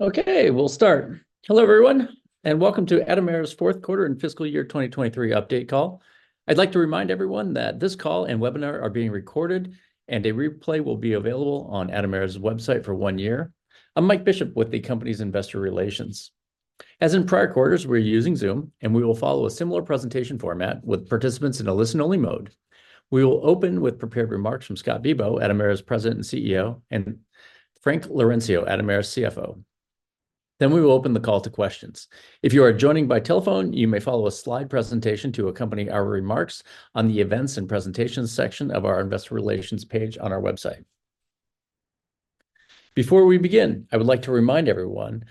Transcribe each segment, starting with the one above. Okay, we'll start. Hello, everyone, and welcome to Atomera's Q4 and FY 2023 Update Call. I'd like to remind everyone that this call and webinar are being recorded, and a replay will be available on Atomera's website for one year. I'm Mike Bishop with the company's investor relations. As in prior quarters, we're using Zoom, and we will follow a similar presentation format, with participants in a listen-only mode. We will open with prepared remarks from Scott Bibaud, Atomera's President and CEO, and Frank Laurencio, Atomera's CFO. Then we will open the call to questions. If you are joining by telephone, you may follow a slide presentation to accompany our remarks on the Events and Presentations section of our Investor Relations page on our website. Before we begin, I would like to remind everyone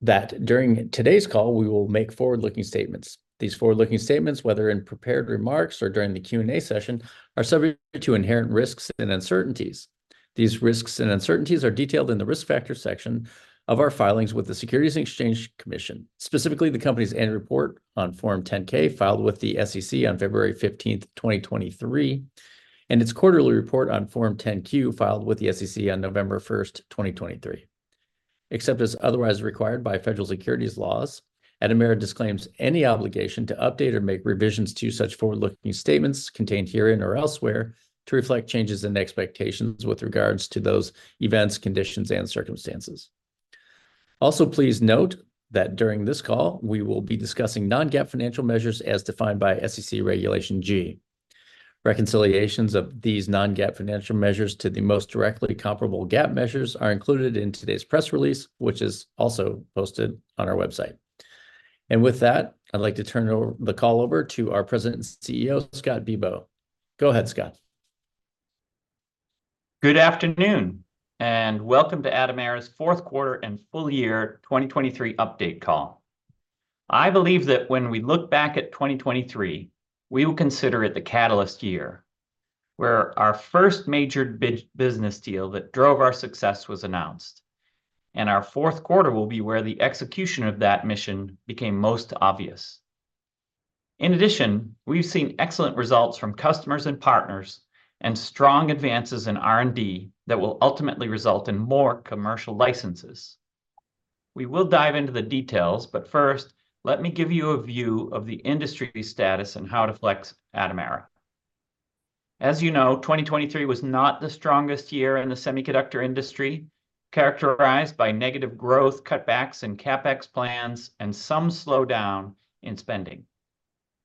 that during today's call, we will make forward-looking statements. These forward-looking statements, whether in prepared remarks or during the Q&A session, are subject to inherent risks and uncertainties. These risks and uncertainties are detailed in the Risk Factors section of our filings with the Securities and Exchange Commission, specifically the company's annual report on Form 10-K, filed with the SEC on February 15th, 2023, and its quarterly report on Form 10-Q, filed with the SEC on November 1st, 2023. Except as otherwise required by federal securities laws, Atomera disclaims any obligation to update or make revisions to such forward-looking statements contained herein or elsewhere to reflect changes in expectations with regards to those events, conditions, and circumstances. Also, please note that during this call, we will be discussing non-GAAP financial measures as defined by SEC Regulation G. Reconciliations of these non-GAAP financial measures to the most directly comparable GAAP measures are included in today's press release, which is also posted on our website. With that, I'd like to turn the call over to our President and CEO, Scott Bibaud. Go ahead, Scott. Good afternoon, and welcome to Atomera's Q4 and Full Year 2023 Update Call. I believe that when we look back at 2023, we will consider it the catalyst year, where our first major business deal that drove our success was announced, and our Q4 will be where the execution of that mission became most obvious. In addition, we've seen excellent results from customers and partners, and strong advances in R&D that will ultimately result in more commercial licenses. We will dive into the details, but first, let me give you a view of the industry status and how it reflects Atomera. As you know, 2023 was not the strongest year in the semiconductor industry, characterized by negative growth, cutbacks in CapEx plans, and some slowdown in spending.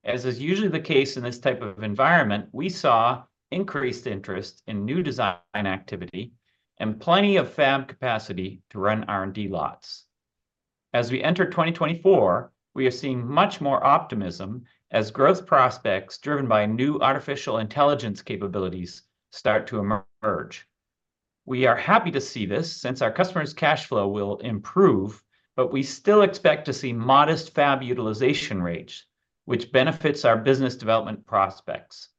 As is usually the case in this type of environment, we saw increased interest in new design activity and plenty of fab capacity to run R&D lots. As we enter 2024, we are seeing much more optimism, as growth prospects driven by new artificial intelligence capabilities start to emerge. We are happy to see this, since our customers' cash flow will improve, but we still expect to see modest fab utilization rates, which benefits our business development prospects.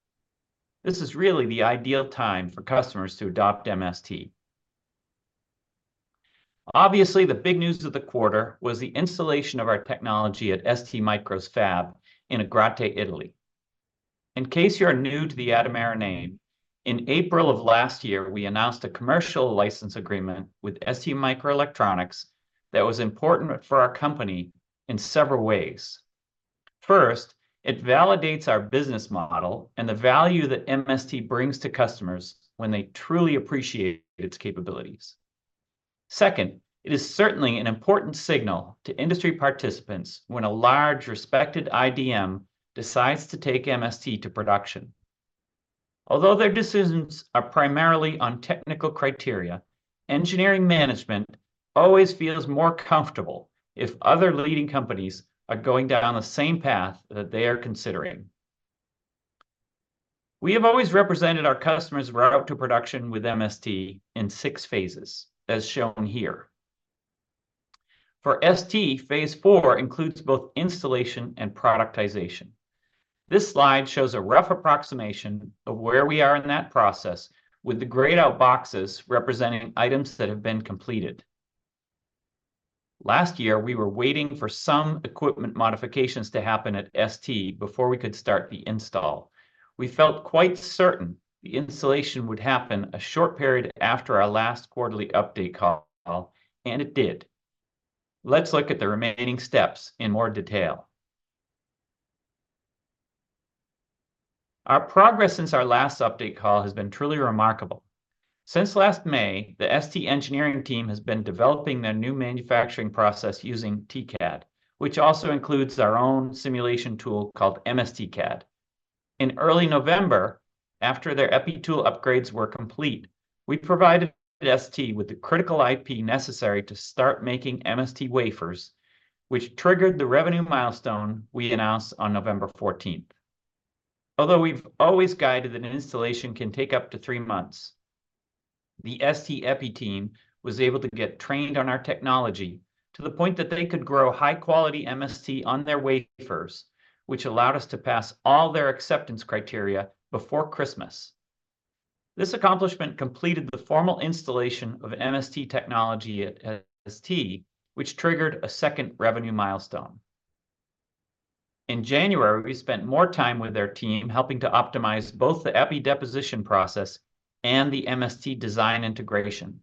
This is really the ideal time for customers to adopt MST. Obviously, the big news of the quarter was the installation of our technology at STMicroelectronics' fab in Agrate, Italy. In case you are new to the Atomera name, in April of last year, we announced a commercial license agreement with STMicroelectronics that was important for our company in several ways. First, it validates our business model and the value that MST brings to customers when they truly appreciate its capabilities. Second, it is certainly an important signal to industry participants when a large, respected IDM decides to take MST to production. Although their decisions are primarily on technical criteria, engineering management always feels more comfortable if other leading companies are going down the same path that they are considering. We have always represented our customers' route to production with MST in six phases, as shown here. For ST, phase four includes both installation and productization. This slide shows a rough approximation of where we are in that process, with the grayed-out boxes representing items that have been completed. Last year, we were waiting for some equipment modifications to happen at ST before we could start the install. We felt quite certain the installation would happen a short period after our last quarterly update call, and it did. Let's look at the remaining steps in more detail. Our progress since our last update call has been truly remarkable. Since last May, the ST engineering team has been developing their new manufacturing process using TCAD, which also includes our own simulation tool called MST CAD. In early November, after their EPI tool upgrades were complete, we provided ST with the critical IP necessary to start making MST wafers, which triggered the revenue milestone we announced on November 14th. Although we've always guided that an installation can take up to three months, the ST EPI team was able to get trained on our technology to the point that they could grow high-quality MST on their wafers, which allowed us to pass all their acceptance criteria before Christmas. This accomplishment completed the formal installation of MST technology at ST, which triggered a second revenue milestone. In January, we spent more time with their team, helping to optimize both the epi deposition process and the MST design integration.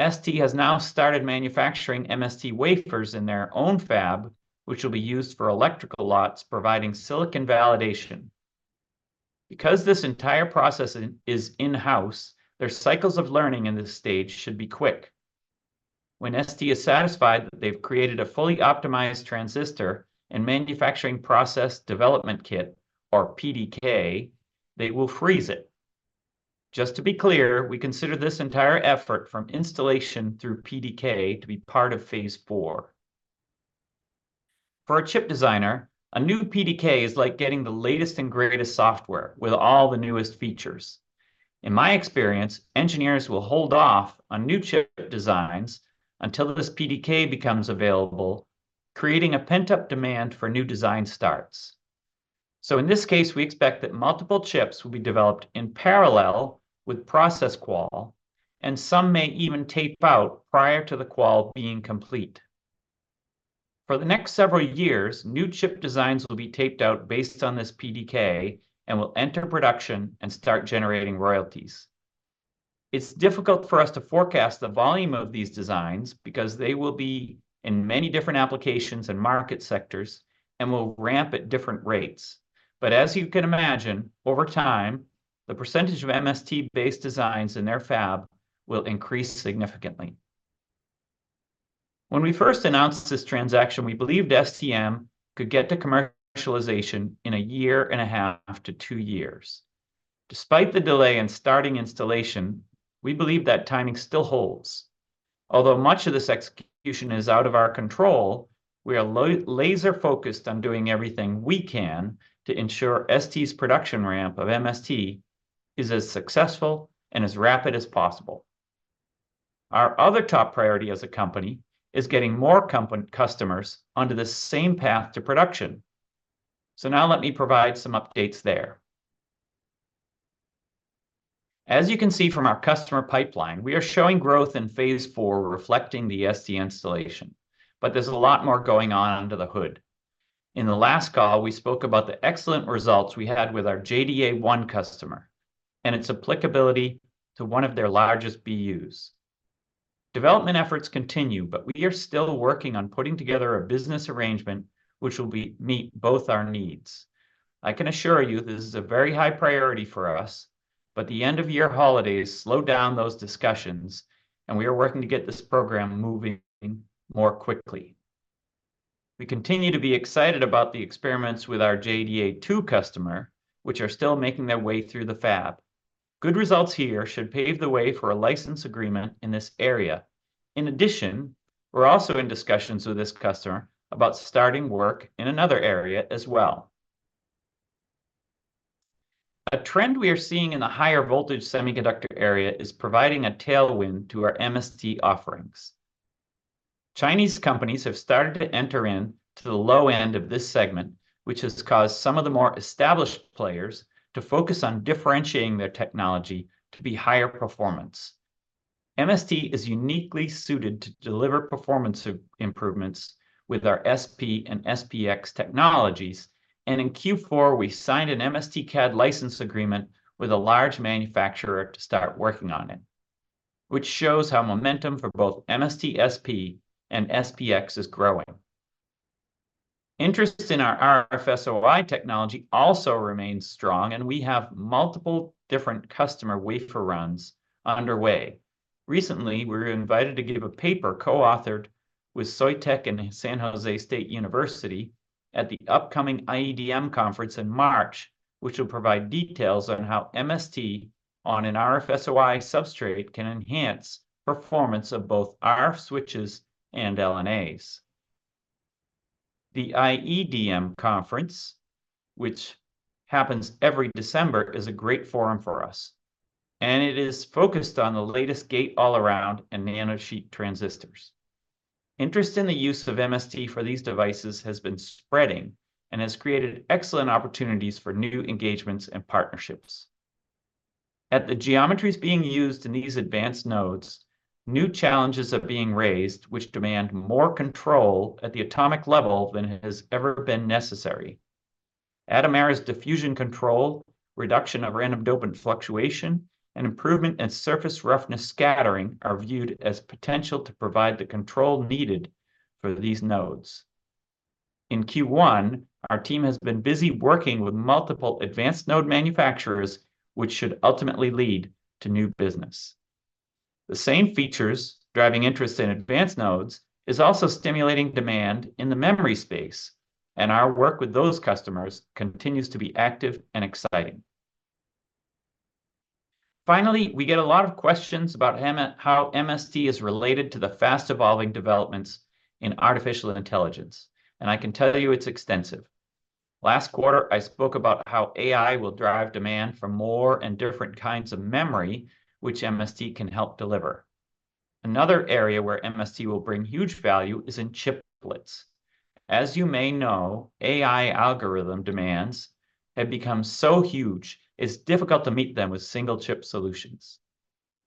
ST has now started manufacturing MST wafers in their own fab, which will be used for electrical lots, providing silicon validation. Because this entire process is in-house, their cycles of learning in this stage should be quick. When ST is satisfied that they've created a fully optimized transistor and manufacturing process development kit, or PDK, they will freeze it. Just to be clear, we consider this entire effort from installation through PDK to be part of phase four. For a chip designer, a new PDK is like getting the latest and greatest software with all the newest features. In my experience, engineers will hold off on new chip designs until this PDK becomes available, creating a pent-up demand for new design starts. In this case, we expect that multiple chips will be developed in parallel with process qual, and some may even tape out prior to the qual being complete. For the next several years, new chip designs will be taped out based on this PDK, and will enter production and start generating royalties. It's difficult for us to forecast the volume of these designs, because they will be in many different applications and market sectors and will ramp at different rates. But as you can imagine, over time, the percentage of MST-based designs in their fab will increase significantly. When we first announced this transaction, we believed STM could get to commercialization in 1.5-2 years. Despite the delay in starting installation, we believe that timing still holds. Although much of this execution is out of our control, we are laser focused on doing everything we can to ensure ST's production ramp of MST is as successful and as rapid as possible. Our other top priority as a company is getting more customers onto the same path to production. Now let me provide some updates there. As you can see from our customer pipeline, we are showing growth in phase four, reflecting the ST installation, but there's a lot more going on under the hood. In the last call, we spoke about the excellent results we had with our JDA-1 customer, and its applicability to one of their largest BUs. Development efforts continue, but we are still working on putting together a business arrangement which will meet both our needs. I can assure you, this is a very high priority for us, but the end-of-year holidays slowed down those discussions, and we are working to get this program moving more quickly. We continue to be excited about the experiments with our JDA-2 customer, which are still making their way through the fab. Good results here should pave the way for a license agreement in this area. In addition, we're also in discussions with this customer about starting work in another area as well. A trend we are seeing in the higher voltage semiconductor area is providing a tailwind to our MST offerings. Chinese companies have started to enter into the low end of this segment, which has caused some of the more established players to focus on differentiating their technology to be higher performance. MST is uniquely suited to deliver performance improvements with our SP and SPX technologies, and in Q4, we signed an MST CAD license agreement with a large manufacturer to start working on it, which shows how momentum for both MST SP and SPX is growing. Interest in our RF SOI technology also remains strong, and we have multiple different customer wafer runs underway. Recently, we were invited to give a paper co-authored with Soitec and San Jose State University at the upcoming IEDM conference in March, which will provide details on how MST on an RF SOI substrate can enhance performance of both RF switches and LNAs. The IEDM conference, which happens every December, is a great forum for us, and it is focused on the latest gate-all-around and nanosheet transistors. Interest in the use of MST for these devices has been spreading and has created excellent opportunities for new engagements and partnerships. At the geometries being used in these advanced nodes, new challenges are being raised, which demand more control at the atomic level than has ever been necessary. Atomera's diffusion control, reduction of random dopant fluctuation, and improvement in surface roughness scattering are viewed as potential to provide the control needed for these nodes. In Q1, our team has been busy working with multiple advanced node manufacturers, which should ultimately lead to new business. The same features driving interest in advanced nodes is also stimulating demand in the memory space, and our work with those customers continues to be active and exciting. Finally, we get a lot of questions about how MST is related to the fast-evolving developments in artificial intelligence, and I can tell you it's extensive. Last quarter, I spoke about how AI will drive demand for more and different kinds of memory, which MST can help deliver. Another area where MST will bring huge value is in chiplets. As you may know, AI algorithm demands have become so huge, it's difficult to meet them with single-chip solutions...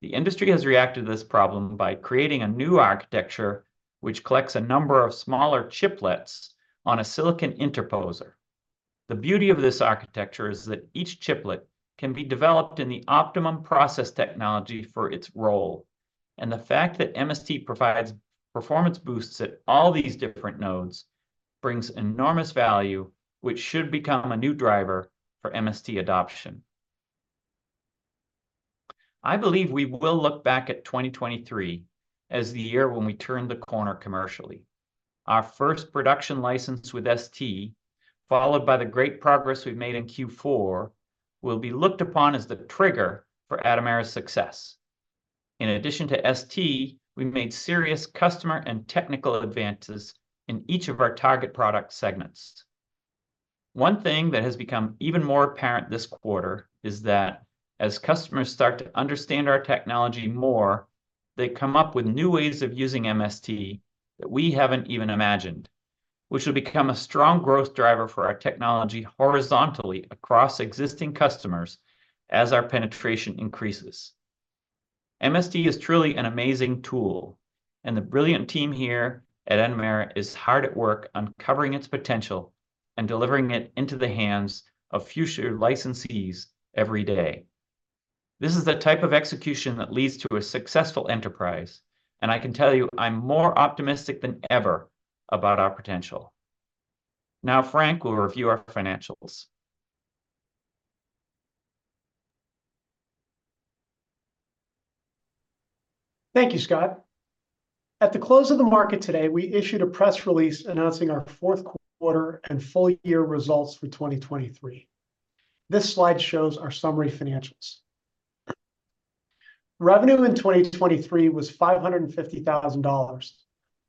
The industry has reacted to this problem by creating a new architecture, which collects a number of smaller chiplets on a silicon interposer. The beauty of this architecture is that each chiplet can be developed in the optimum process technology for its role, and the fact that MST provides performance boosts at all these different nodes brings enormous value, which should become a new driver for MST adoption. I believe we will look back at 2023 as the year when we turned the corner commercially. Our first production license with ST, followed by the great progress we've made in Q4, will be looked upon as the trigger for Atomera's success. In addition to ST, we've made serious customer and technical advances in each of our target product segments. One thing that has become even more apparent this quarter is that as customers start to understand our technology more, they come up with new ways of using MST that we haven't even imagined, which will become a strong growth driver for our technology horizontally across existing customers as our penetration increases. MST is truly an amazing tool, and the brilliant team here at Atomera is hard at work on covering its potential and delivering it into the hands of future licensees every day. This is the type of execution that leads to a successful enterprise, and I can tell you I'm more optimistic than ever about our potential. Now, Frank will review our financials. Thank you, Scott. At the close of the market today, we issued a press release announcing our Q4 and full year results for 2023. This slide shows our summary financials. Revenue in 2023 was $550,000,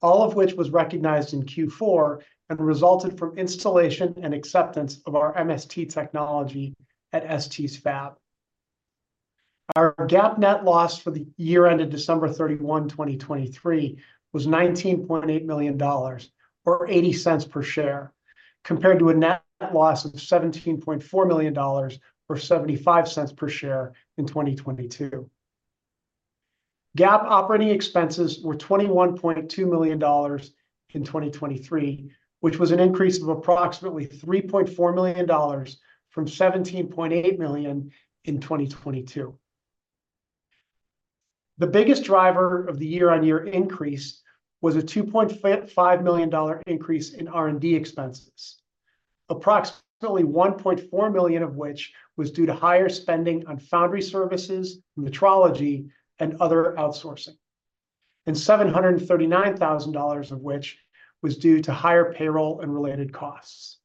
all of which was recognized in Q4 and resulted from installation and acceptance of our MST technology at ST's fab. Our GAAP net loss for the year ended December 31, 2023, was $19.8 million or $0.80 per share, compared to a net loss of $17.4 million or $0.75 per share in 2022. GAAP operating expenses were $21.2 million in 2023, which was an increase of approximately $3.4 million from $17.8 million in 2022. The biggest driver of the year-on-year increase was a $2.5 million increase in R&D expenses, approximately $1.4 million of which was due to higher spending on foundry services, metrology, and other outsourcing, and $739,000 of which was due to higher payroll and related costs.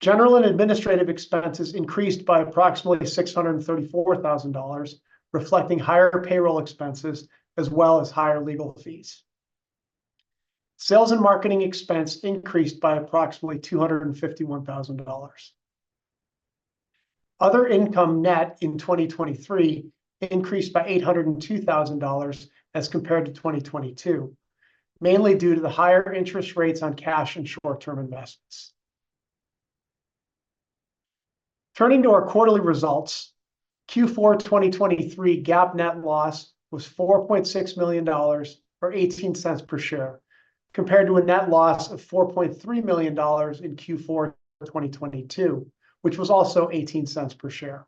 General and administrative expenses increased by approximately $634,000, reflecting higher payroll expenses, as well as higher legal fees. Sales and marketing expense increased by approximately $251,000. Other income net in 2023 increased by $802,000 as compared to 2022, mainly due to the higher interest rates on cash and short-term investments. Turning to our quarterly results, Q4 2023 GAAP net loss was $4.6 million or $0.18 per share, compared to a net loss of $4.3 million in Q4 2022, which was also $0.18 per share.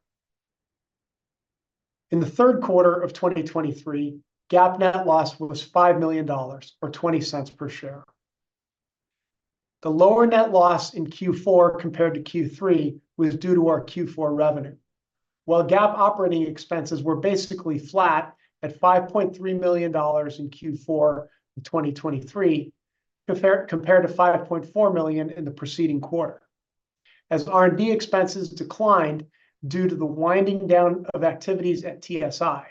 In the Q3 of 2023, GAAP net loss was $5 million or $0.20 per share. The lower net loss in Q4 compared to Q3 was due to our Q4 revenue, while GAAP operating expenses were basically flat at $5.3 million in Q4 2023, compared to $5.4 million in the preceding quarter, as R&D expenses declined due to the winding down of activities at TSI,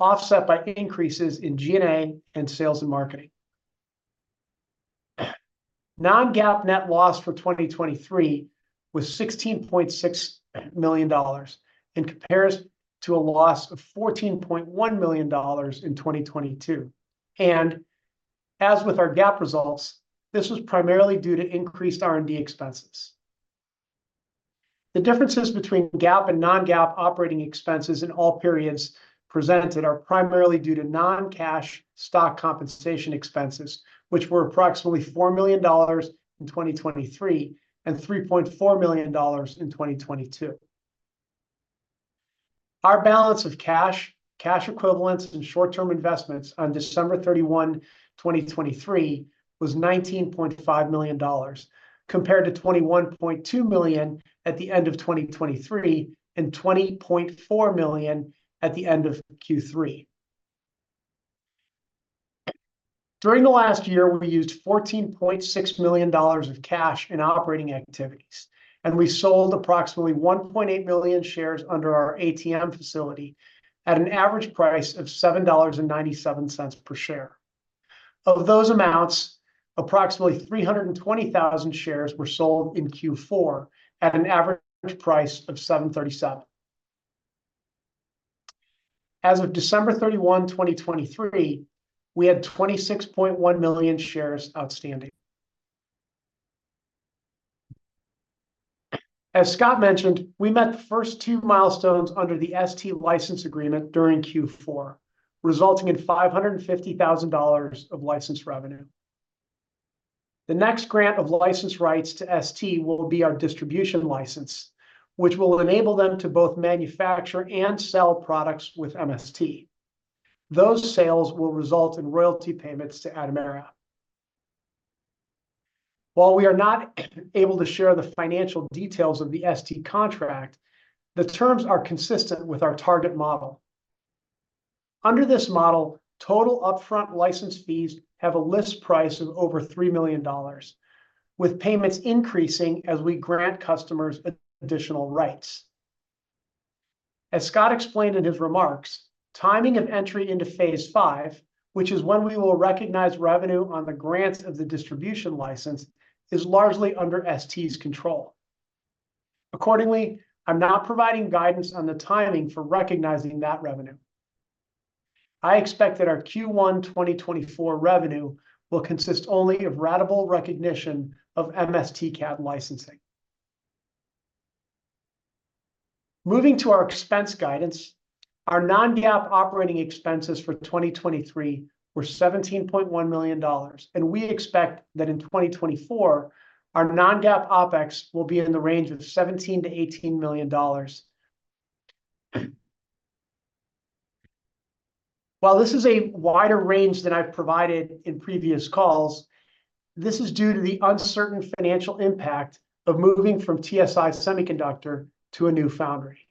offset by increases in G&A and sales and marketing. Non-GAAP net loss for 2023 was $16.6 million and compares to a loss of $14.1 million in 2022. And as with our GAAP results, this was primarily due to increased R&D expenses. The differences between GAAP and non-GAAP operating expenses in all periods presented are primarily due to non-cash stock compensation expenses, which were approximately $4 million in 2023, and $3.4 million in 2022. Our balance of cash, cash equivalents, and short-term investments on December 31, 2023, was $19.5 million, compared to $21.2 million at the end of 2023 and $20.4 million at the end of Q3. During the last year, we used $14.6 million of cash in operating activities, and we sold approximately 1.8 million shares under our ATM facility at an average price of $7.97 per share. Of those amounts, approximately 320,000 shares were sold in Q4 at an average price of $7.37. As of December 31, 2023, we had 26.1 million shares outstanding. As Scott mentioned, we met the first two milestones under the ST license agreement during Q4, resulting in $550,000 of licensed revenue. The next grant of license rights to ST will be our distribution license, which will enable them to both manufacture and sell products with MST. Those sales will result in royalty payments to Atomera. While we are not able to share the financial details of the ST contract, the terms are consistent with our target model. Under this model, total upfront license fees have a list price of over $3 million, with payments increasing as we grant customers additional rights. As Scott explained in his remarks, timing of entry into phase five, which is when we will recognize revenue on the grants of the distribution license, is largely under ST's control. Accordingly, I'm not providing guidance on the timing for recognizing that revenue. I expect that our Q1 2024 revenue will consist only of ratable recognition of MST CAD licensing. Moving to our expense guidance, our Non-GAAP operating expenses for 2023 were $17.1 million, and we expect that in 2024, our Non-GAAP OPEX will be in the range of $17-$18 million. While this is a wider range than I've provided in previous calls, this is due to the uncertain financial impact of moving from TSI Semiconductors to a new foundry.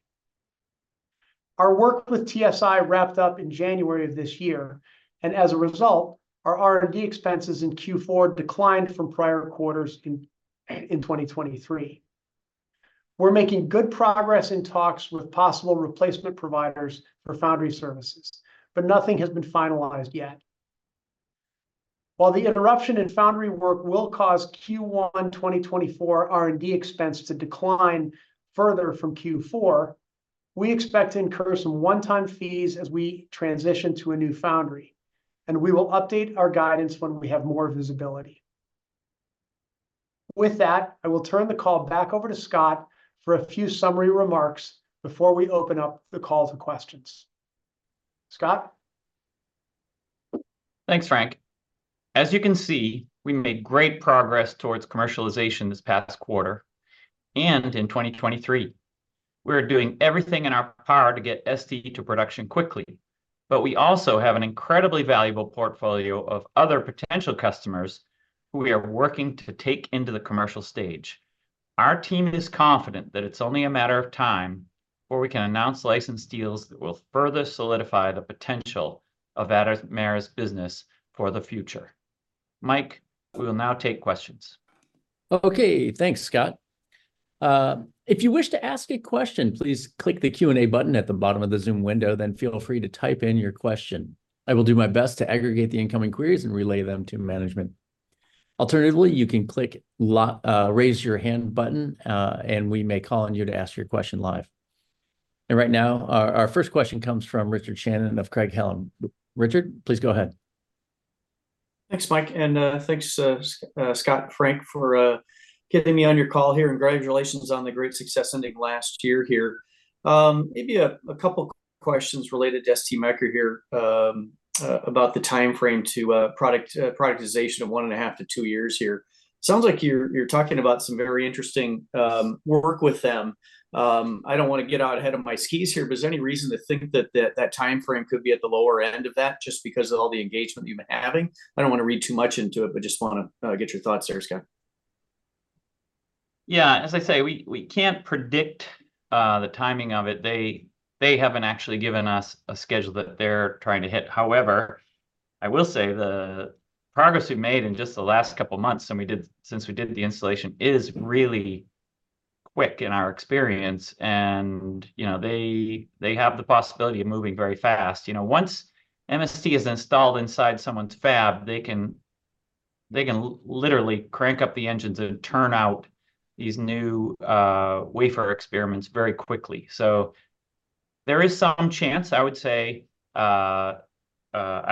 Our work with TSI wrapped up in January of this year, and as a result, our R&D expenses in Q4 declined from prior quarters in 2023. We're making good progress in talks with possible replacement providers for foundry services, but nothing has been finalized yet. While the interruption in foundry work will cause Q1 2024 R&D expense to decline further from Q4, we expect to incur some one-time fees as we transition to a new foundry, and we will update our guidance when we have more visibility. With that, I will turn the call back over to Scott for a few summary remarks before we open up the call to questions. Scott? Thanks, Frank. As you can see, we made great progress towards commercialization this past quarter, and in 2023. We're doing everything in our power to get ST to production quickly, but we also have an incredibly valuable portfolio of other potential customers who we are working to take into the commercial stage. Our team is confident that it's only a matter of time before we can announce license deals that will further solidify the potential of Atomera's business for the future. Mike, we will now take questions. Okay, thanks, Scott. If you wish to ask a question, please click the Q&A button at the bottom of the Zoom window, then feel free to type in your question. I will do my best to aggregate the incoming queries and relay them to management. Alternatively, you can click raise your hand button, and we may call on you to ask your question live. Right now, our first question comes from Richard Shannon of Craig-Hallum. Richard, please go ahead. Thanks, Mike, and thanks, Scott and Frank for getting me on your call here, and congratulations on the great success ending last year here. Maybe a couple questions related to STMicro here, about the timeframe to productization of 1.5-2 years here. Sounds like you're talking about some very interesting work with them. I don't wanna get out ahead of my skis here, but is there any reason to think that timeframe could be at the lower end of that, just because of all the engagement you've been having? I don't wanna read too much into it, but just wanna get your thoughts there, Scott. Yeah, as I say, we can't predict the timing of it. They haven't actually given us a schedule that they're trying to hit. However, I will say the progress we've made in just the last couple months since we did the installation is really quick in our experience, and, you know, they have the possibility of moving very fast. You know, once MST is installed inside someone's fab, they can literally crank up the engines and turn out these new wafer experiments very quickly. So there is some chance, I would say, I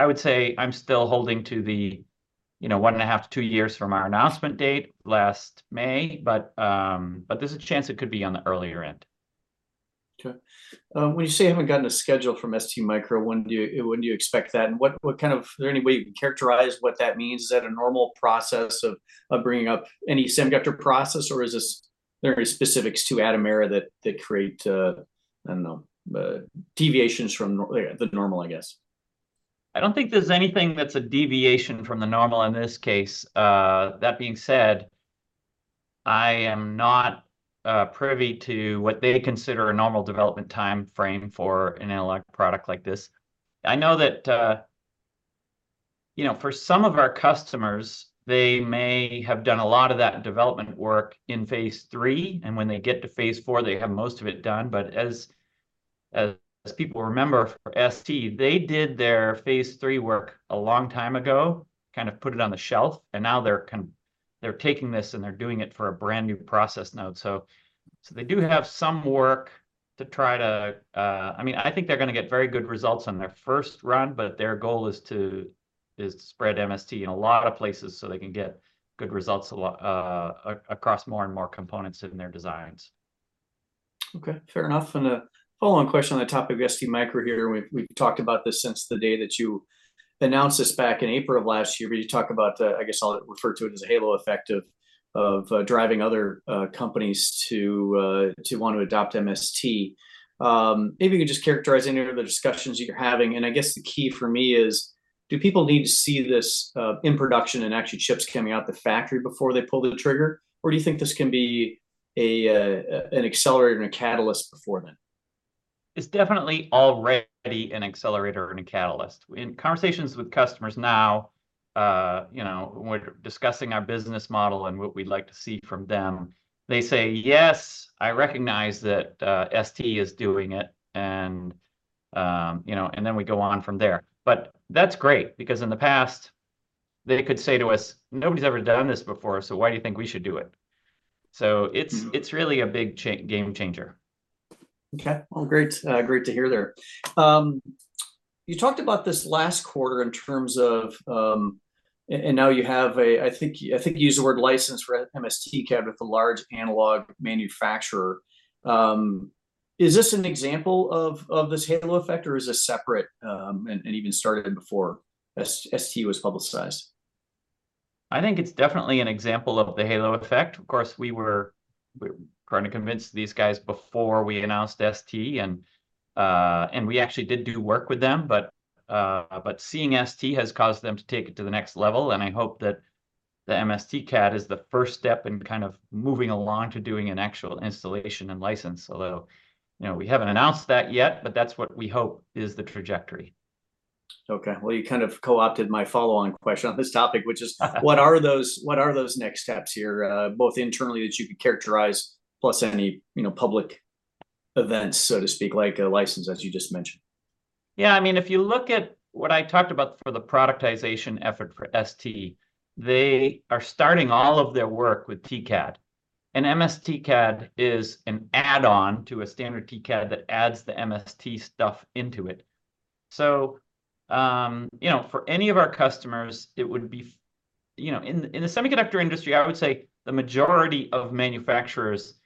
would say I'm still holding to the, you know, 1.5-2 years from our announcement date last May, but there's a chance it could be on the earlier end. Okay. When you say you haven't gotten a schedule from STMicro, when do you expect that? And what kind of... Is there any way you can characterize what that means? Is that a normal process of bringing up any semiconductor process, or is there any specifics to Atomera that create, I don't know, deviations from the normal, I guess? I don't think there's anything that's a deviation from the normal in this case. That being said, I am not privy to what they consider a normal development timeframe for an analog product like this. I know that, you know, for some of our customers, they may have done a lot of that development work in phase three, and when they get to phase four, they have most of it done. But as people remember, for ST, they did their phase three work a long time ago, kind of put it on the shelf, and now they're taking this, and they're doing it for a brand-new process node. So they do have some work to try to, I mean, I think they're gonna get very good results on their first run, but their goal is to spread MST in a lot of places so they can get good results a lot, across more and more components in their designs. Okay, fair enough. And a follow-on question on the topic of STMicro here, and we've talked about this since the day that you announced this back in April of last year, where you talk about, I guess I'll refer to it as a halo effect of driving other companies to want to adopt MST. Maybe you could just characterize any of the discussions you're having. And I guess the key for me is, do people need to see this in production and actually chips coming out the factory before they pull the trigger? Or do you think this can be an accelerator and a catalyst before then? It's definitely already an accelerator and a catalyst. In conversations with customers now, you know, when we're discussing our business model and what we'd like to see from them, they say, "Yes, I recognize that, ST is doing it," and, you know, and then we go on from there. But that's great, because in the past, they could say to us, "Nobody's ever done this before, so why do you think we should do it?" So it's- it's really a big game changer. Okay. Well, great, great to hear there. You talked about this last quarter in terms of and now you have a, I think, you used the word license for MST CAD with a large analog manufacturer. Is this an example of this halo effect, or is this separate, and even started before ST was publicized? I think it's definitely an example of the halo effect. Of course, we were trying to convince these guys before we announced ST, and we actually did do work with them. But seeing ST has caused them to take it to the next level, and I hope that the MST CAD is the first step in kind of moving along to doing an actual installation and license. Although, you know, we haven't announced that yet, but that's what we hope is the trajectory. Okay. Well, you kind of co-opted my follow-on question on this topic, which is... what are those, what are those next steps here, both internally that you could characterize, plus any, you know, public events, so to speak, like a license, as you just mentioned? Yeah, I mean, if you look at what I talked about for the productization effort for ST, they are starting all of their work with TCAD, and MST CAD is an add-on to a standard TCAD that adds the MST stuff into it. So, you know, for any of our customers, it would be you know, in the semiconductor industry, I would say the majority of manufacturers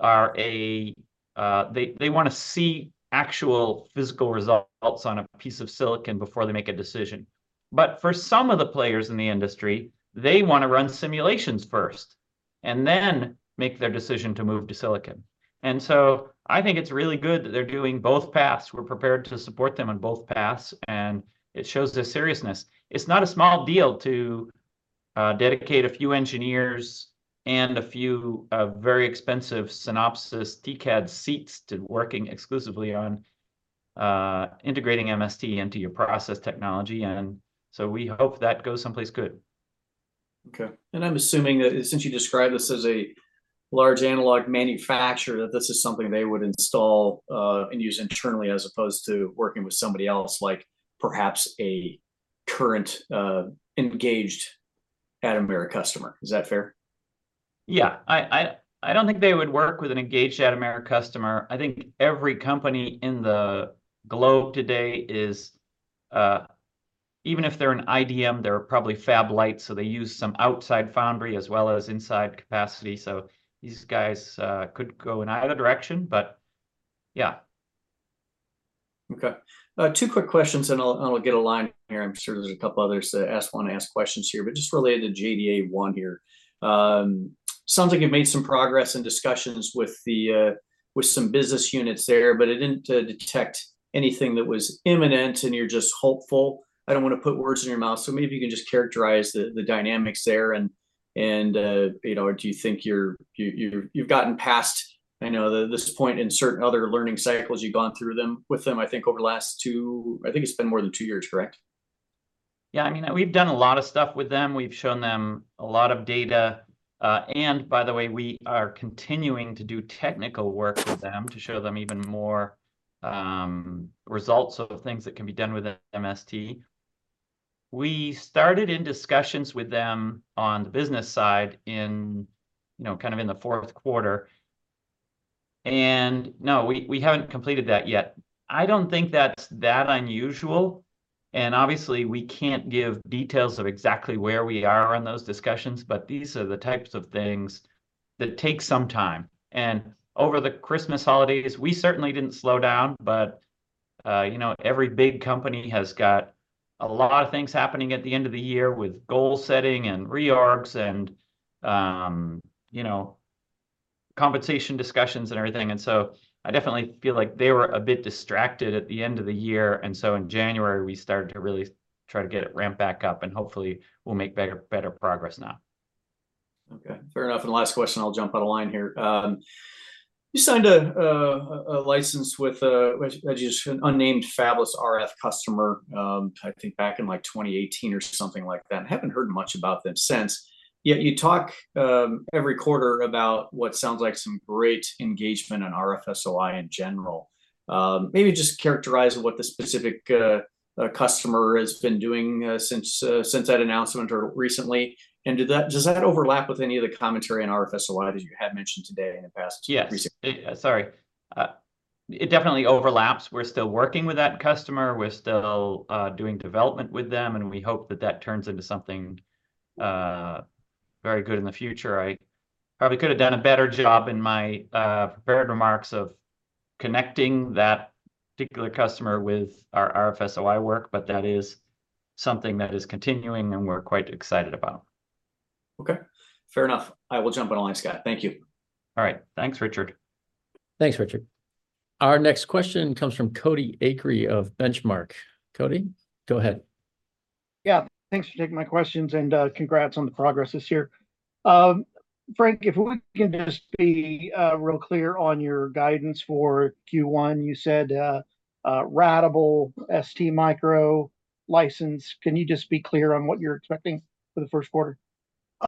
are. They wanna see actual physical results on a piece of silicon before they make a decision. But for some of the players in the industry, they wanna run simulations first, and then make their decision to move to silicon. And so I think it's really good that they're doing both paths. We're prepared to support them on both paths, and it shows their seriousness. It's not a small deal to dedicate a few engineers and a few very expensive Synopsys TCAD seats to working exclusively on integrating MST into your process technology, and so we hope that goes someplace good. Okay. I'm assuming that since you describe this as a large analog manufacturer, that this is something they would install, and use internally, as opposed to working with somebody else, like perhaps a currently engaged Atomera customer. Is that fair? Yeah, I don't think they would work with an engaged Atomera customer. I think every company in the globe today is, even if they're an IDM, they're probably fab-lite, so they use some outside foundry as well as inside capacity. So these guys could go in either direction, but yeah. Okay. Two quick questions, and I'll get aligned here. I'm sure there's a couple others that wanna ask questions here, but just related to JDA1 here. Sounds like you've made some progress and discussions with some business units there, but it didn't detect anything that was imminent, and you're just hopeful. I don't wanna put words in your mouth, so maybe you can just characterize the dynamics there and you know, do you think you've gotten past, I know, this point in certain other learning cycles, you've gone through them with them, I think, over the last two... I think it's been more than two years, correct? Yeah, I mean, we've done a lot of stuff with them. We've shown them a lot of data. And by the way, we are continuing to do technical work with them to show them even more results of things that can be done with MST. We started in discussions with them on the business side in, you know, kind of in the fourth quarter. And no, we haven't completed that yet. I don't think that's that unusual, and obviously, we can't give details of exactly where we are on those discussions, but these are the types of things that take some time. And over the Christmas holidays, we certainly didn't slow down, but you know, every big company has got a lot of things happening at the end of the year with goal setting and reorgs and you know, compensation discussions and everything. And so I definitely feel like they were a bit distracted at the end of the year. And so in January, we started to really try to get it ramped back up, and hopefully we'll make better, better progress now. Okay, fair enough. The last question, I'll jump out of line here. You signed a license with just an unnamed fabless RF customer, I think back in, like, 2018 or something like that. Haven't heard much about them since. Yet, you talk every quarter about what sounds like some great engagement in RF SOI in general. Maybe just characterize what the specific customer has been doing since that announcement or recently, and did that—does that overlap with any of the commentary on RF SOI that you had mentioned today and in the past recently? Yes. Sorry, it definitely overlaps. We're still working with that customer, we're still doing development with them, and we hope that that turns into something very good in the future. I probably could have done a better job in my prepared remarks of connecting that particular customer with our RF SOI work, but that is something that is continuing, and we're quite excited about. Okay, fair enough. I will jump online, Scott. Thank you. All right. Thanks, Richard. Thanks, Richard. Our next question comes from Cody Acree of Benchmark. Cody, go ahead. Yeah, thanks for taking my questions, and congrats on the progress this year. Frank, if we can just be real clear on your guidance for Q1. You said ratable ST Micro license. Can you just be clear on what you're expecting for the Q1?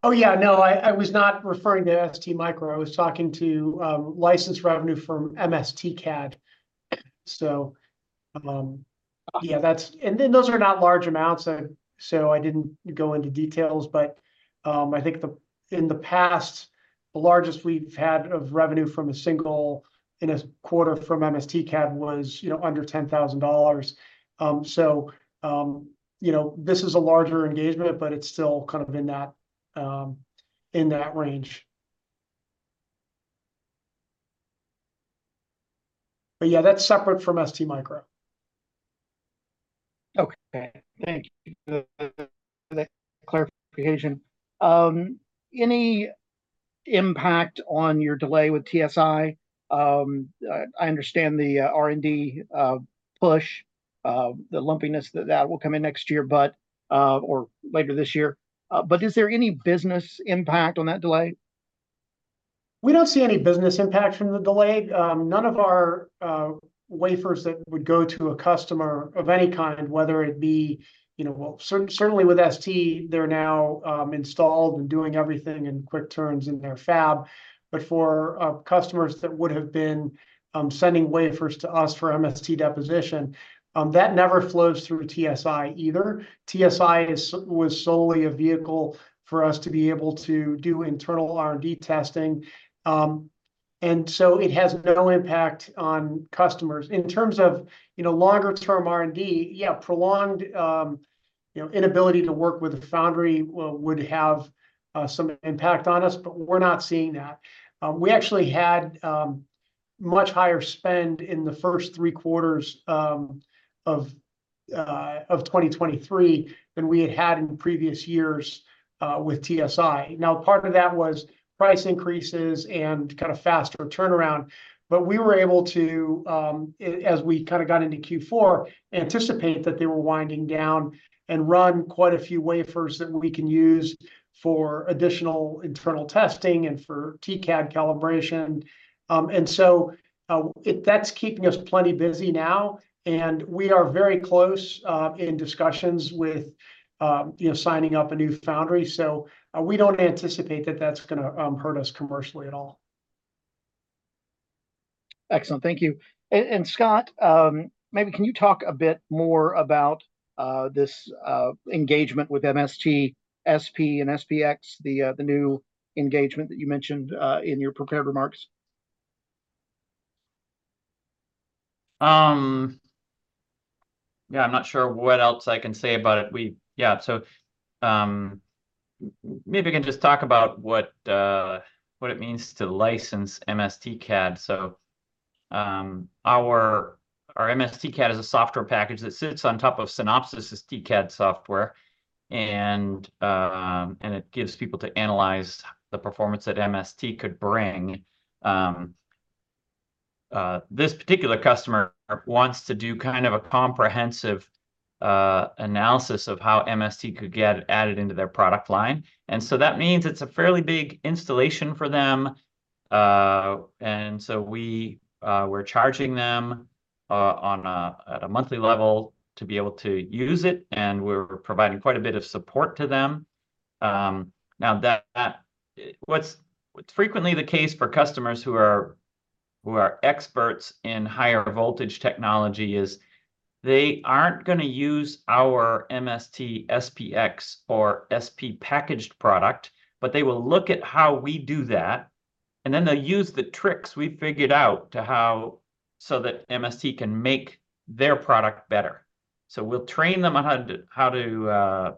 Oh, yeah, no, I was not referring to ST Micro. I was talking to license revenue from MST CAD. So, yeah, that's... And then those are not large amounts, so I didn't go into details. But I think in the past, the largest we've had of revenue from a single in a quarter from MST CAD was, you know, under $10,000. So, you know, this is a larger engagement, but it's still kind of in that range. But yeah, that's separate from ST Micro. Okay. Thank you for the clarification. Any impact on your delay with TSI? I understand the R&D push, the lumpiness that will come in next year, but or later this year, but is there any business impact on that delay? We don't see any business impact from the delay. None of our wafers that would go to a customer of any kind, whether it be, you know. Well, certainly with ST, they're now installed and doing everything in quick turns in their fab. But for customers that would have been sending wafers to us for MST deposition, that never flows through TSI either. TSI was solely a vehicle for us to be able to do internal R&D testing. And so it has no impact on customers. In terms of, you know, longer-term R&D, yeah, prolonged inability to work with a foundry, well, would have some impact on us, but we're not seeing that. We actually had much higher spend in the first three quarters of 2023 than we had had in previous years with TSI. Now, part of that was price increases and kind of faster turnaround, but we were able to, as we kind of got into Q4, anticipate that they were winding down, and run quite a few wafers that we can use for additional internal testing and for TCAD calibration. And so that's keeping us plenty busy now, and we are very close in discussions with you know signing up a new foundry. So we don't anticipate that that's gonna hurt us commercially at all. Excellent. Thank you. And Scott, maybe can you talk a bit more about this engagement with MST SP and SPX, the new engagement that you mentioned in your prepared remarks? Yeah, I'm not sure what else I can say about it. Yeah, so maybe I can just talk about what it means to license MST CAD. So, our MST CAD is a software package that sits on top of Synopsys' TCAD software, and it gives people to analyze the performance that MST could bring. This particular customer wants to do kind of a comprehensive analysis of how MST could get added into their product line, and so that means it's a fairly big installation for them. And so we're charging them at a monthly level to be able to use it, and we're providing quite a bit of support to them. Now, that's what's frequently the case for customers who are experts in higher voltage technology is they aren't gonna use our MST SPX or SP packaged product, but they will look at how we do that, and then they'll use the tricks we figured out so that MST can make their product better. So we'll train them on how to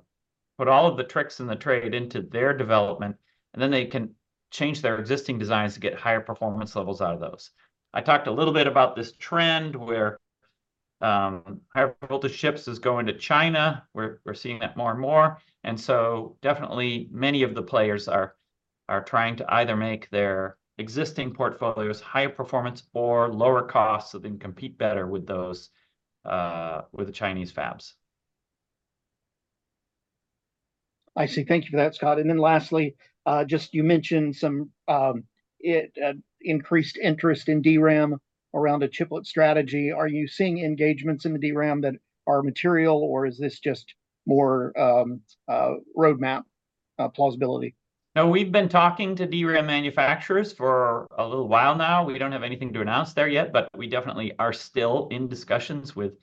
put all of the tricks in the trade into their development, and then they can change their existing designs to get higher performance levels out of those. I talked a little bit about this trend, where higher voltage chips is going to China. We're seeing that more and more, and so definitely many of the players are trying to either make their existing portfolios higher performance or lower cost, so they can compete better with the Chinese fabs. I see. Thank you for that, Scott. And then lastly, just you mentioned some increased interest in DRAM around a chiplet strategy. Are you seeing engagements in the DRAM that are material, or is this just more roadmap plausibility? No, we've been talking to DRAM manufacturers for a little while now. We don't have anything to announce there yet, but we definitely are still in discussions with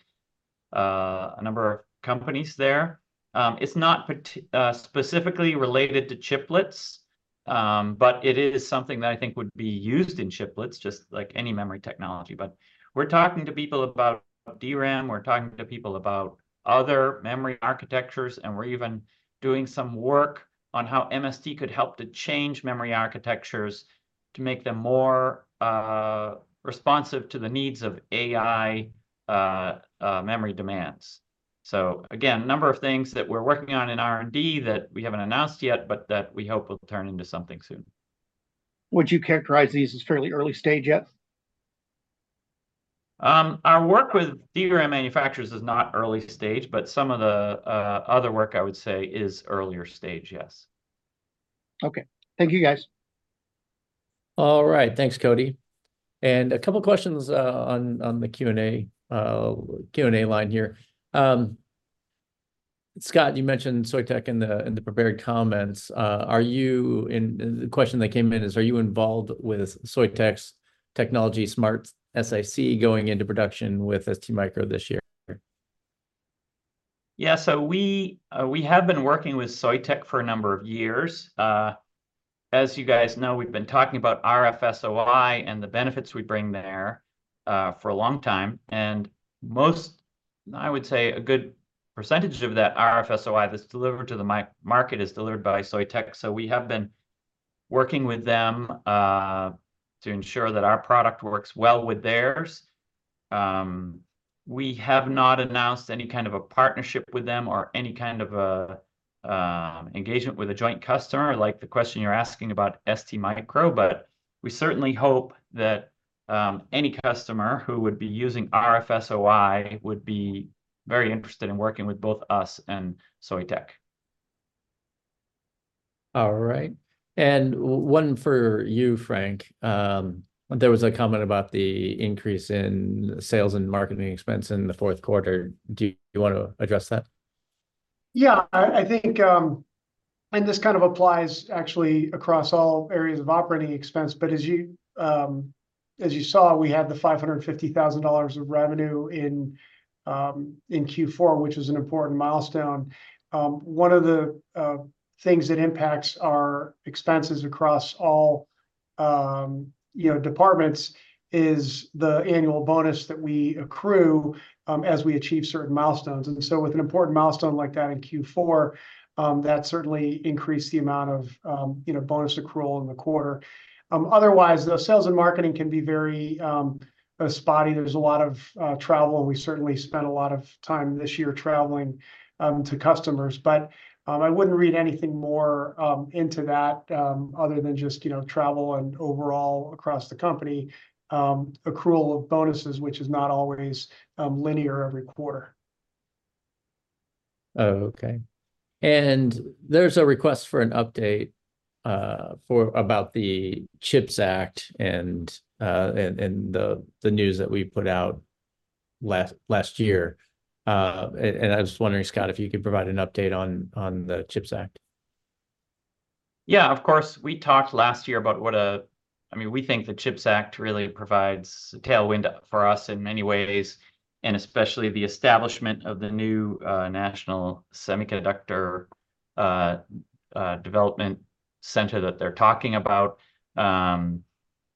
a number of companies there. It's not specifically related to chiplets, but it is something that I think would be used in chiplets, just like any memory technology. But we're talking to people about DRAM, we're talking to people about other memory architectures, and we're even doing some work on how MST could help to change memory architectures to make them more responsive to the needs of AI memory demands. So again, a number of things that we're working on in R&D that we haven't announced yet, but that we hope will turn into something soon. Would you characterize these as fairly early stage yet? Our work with DRAM manufacturers is not early stage, but some of the other work I would say is earlier stage, yes. Okay. Thank you, guys. All right, thanks, Cody. And a couple questions on the Q&A line here. Scott, you mentioned Soitec in the prepared comments. Are you... and the question that came in is, are you involved with Soitec's Technology SmartSiC going into production with STMicro this year? Yeah, so we have been working with Soitec for a number of years. As you guys know, we've been talking about RFSOI and the benefits we bring there for a long time. And most, I would say, a good percentage of that RFSOI that's delivered to the market is delivered by Soitec. So we have been working with them to ensure that our product works well with theirs. We have not announced any kind of a partnership with them or any kind of a engagement with a joint customer, like the question you're asking about STMicro, but we certainly hope that any customer who would be using RFSOI would be very interested in working with both us and Soitec. All right. And one for you, Frank. There was a comment about the increase in sales and marketing expense in the fourth quarter. Do you want to address that? Yeah. I think, and this kind of applies actually across all areas of operating expense, but as you saw, we had the $550,000 of revenue in Q4, which is an important milestone. One of the things that impacts our expenses across all, you know, departments, is the annual bonus that we accrue as we achieve certain milestones. And so with an important milestone like that in Q4, that certainly increased the amount of, you know, bonus accrual in the quarter. Otherwise, the sales and marketing can be very spotty. There's a lot of travel, and we certainly spent a lot of time this year traveling to customers. But I wouldn't read anything more into that other than just, you know, travel and overall across the company accrual of bonuses, which is not always linear every quarter. Oh, okay. There's a request for an update about the CHIPS Act and the news that we put out last year. I was just wondering, Scott, if you could provide an update on the CHIPS Act? Yeah, of course. We talked last year about what, I mean, we think the CHIPS Act really provides a tailwind for us in many ways, and especially the establishment of the new National Semiconductor Development Center that they're talking about.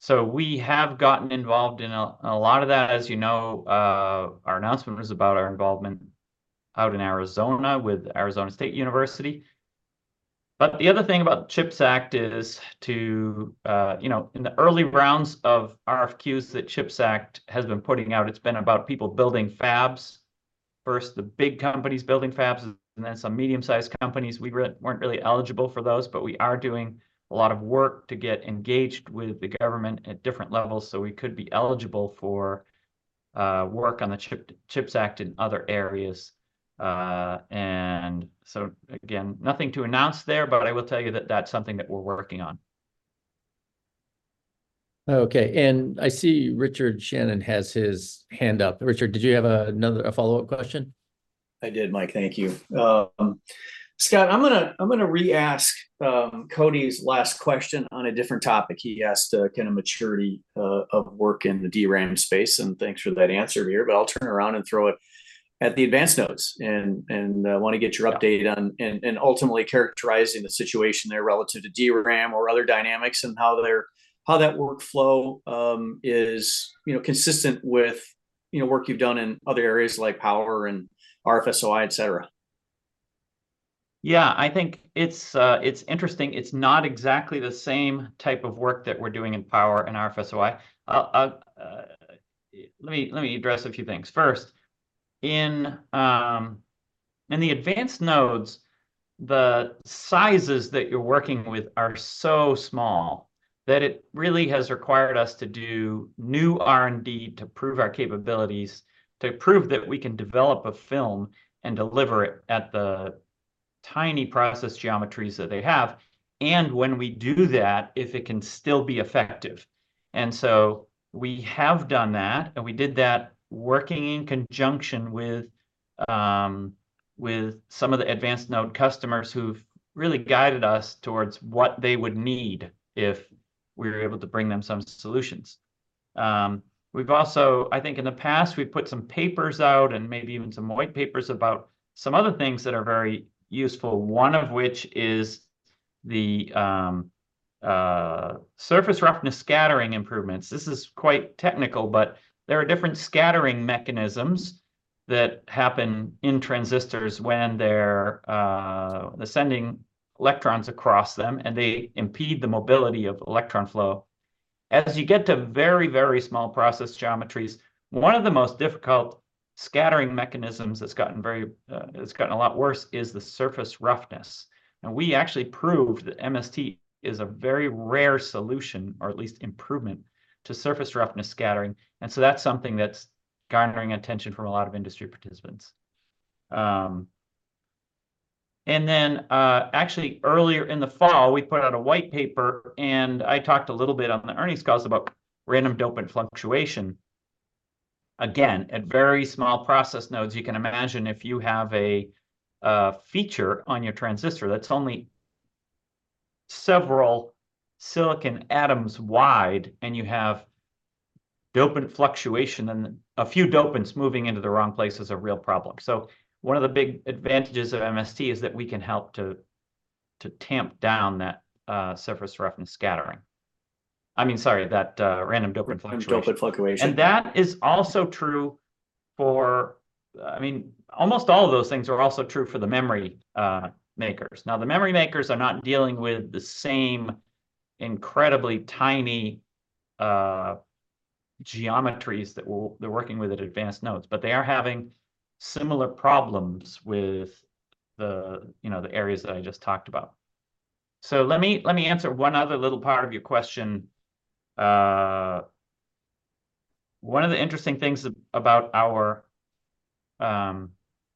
So we have gotten involved in a lot of that. As you know, our announcement was about our involvement out in Arizona with Arizona State University. But the other thing about CHIPS Act is to, you know, in the early rounds of RFQs that CHIPS Act has been putting out, it's been about people building fabs. First, the big companies building fabs, and then some medium-sized companies. We weren't really eligible for those, but we are doing a lot of work to get engaged with the government at different levels so we could be eligible for work on the CHIPS Act in other areas. And so again, nothing to announce there, but I will tell you that that's something that we're working on. Okay, and I see Richard Shannon has his hand up. Richard, did you have another follow-up question? I did, Mike, thank you. Scott, I'm gonna re-ask Cody's last question on a different topic. He asked kind of maturity of work in the DRAM space, and thanks for that answer here, but I'll turn around and throw it at the advanced nodes. Want to get your update on ultimately characterizing the situation there relative to DRAM or other dynamics, and how that workflow is, you know, consistent with, you know, work you've done in other areas like power and RF SOI, et cetera. Yeah, I think it's interesting. It's not exactly the same type of work that we're doing in power and RF SOI. Let me address a few things. First, in the advanced nodes, the sizes that you're working with are so small that it really has required us to do new R&D to prove our capabilities, to prove that we can develop a film and deliver it at the tiny process geometries that they have, and when we do that, if it can still be effective. And so we have done that, and we did that working in conjunction with some of the advanced node customers, who've really guided us towards what they would need if we were able to bring them some solutions. We've also, I think in the past, we've put some papers out, and maybe even some white papers about some other things that are very useful, one of which is the surface roughness scattering improvements. This is quite technical, but there are different scattering mechanisms that happen in transistors when they're sending electrons across them, and they impede the mobility of electron flow. As you get to very, very small process geometries, one of the most difficult scattering mechanisms that's gotten a lot worse is the surface roughness. And we actually proved that MST is a very rare solution, or at least improvement, to surface roughness scattering, and so that's something that's garnering attention from a lot of industry participants. And then, actually earlier in the fall, we put out a white paper, and I talked a little bit on the earnings calls about Random Dopant Fluctuation. Again, at very small process nodes, you can imagine if you have a feature on your transistor that's only several silicon atoms wide, and you have dopant fluctuation, then a few dopants moving into the wrong place is a real problem. So one of the big advantages of MST is that we can help to tamp down that surface roughness scattering. I mean, sorry, that random dopant fluctuation. Random Dopant Fluctuation. And that is also true for, I mean, almost all of those things are also true for the memory makers. Now, the memory makers are not dealing with the same incredibly tiny geometries that they're working with at advanced nodes, but they are having similar problems with the, you know, the areas that I just talked about. So let me, let me answer one other little part of your question. One of the interesting things about our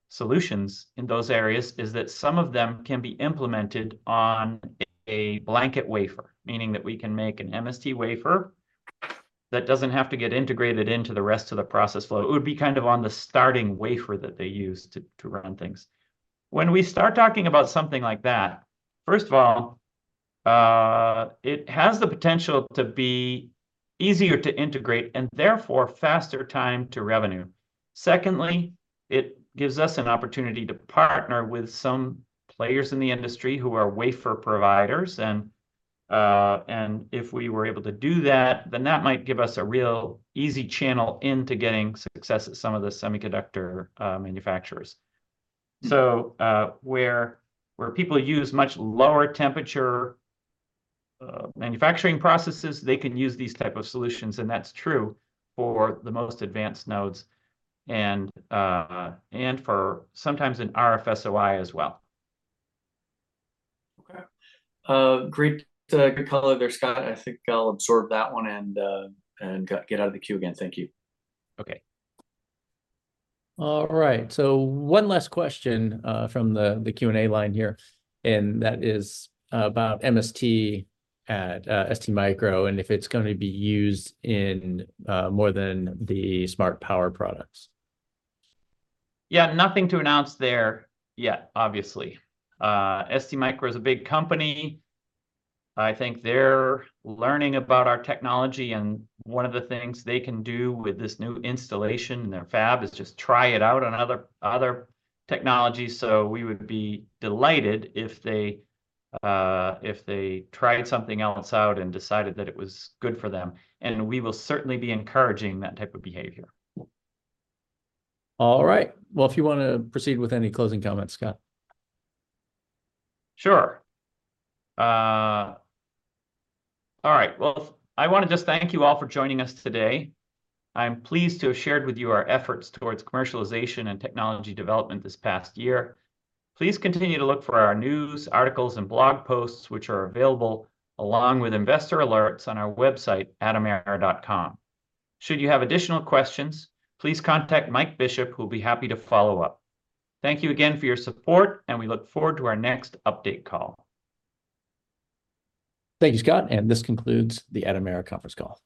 solutions in those areas is that some of them can be implemented on a blanket wafer, meaning that we can make an MST wafer that doesn't have to get integrated into the rest of the process flow. It would be kind of on the starting wafer that they use to, to run things. When we start talking about something like that, first of all, it has the potential to be easier to integrate, and therefore, faster time to revenue. Secondly, it gives us an opportunity to partner with some players in the industry who are wafer providers, and, and if we were able to do that, then that might give us a real easy channel into getting success at some of the semiconductor manufacturers. So, where people use much lower temperature manufacturing processes, they can use these type of solutions, and that's true for the most advanced nodes and for sometimes in RFSOI as well. Okay. Great, good call there, Scott. I think I'll absorb that one and, and get out of the queue again. Thank you. Okay. All right, so one last question from the Q&A line here, and that is about MST at STMicroelectronics, and if it's going to be used in more than the smart power products. Yeah, nothing to announce there yet, obviously. STMicroelectronics is a big company. I think they're learning about our technology, and one of the things they can do with this new installation in their fab is just try it out on other, other technologies. So we would be delighted if they, if they tried something else out and decided that it was good for them, and we will certainly be encouraging that type of behavior. All right. Well, if you wanna proceed with any closing comments, Scott? Sure. All right. Well, I wanna just thank you all for joining us today. I'm pleased to have shared with you our efforts towards commercialization and technology development this past year. Please continue to look for our news, articles, and blog posts, which are available along with investor alerts on our website, atomera.com. Should you have additional questions, please contact Mike Bishop, who'll be happy to follow up. Thank you again for your support, and we look forward to our next update call. Thank you, Scott, and this concludes the Atomera conference call.